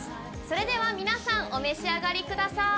それでは皆さんお召し上がりください。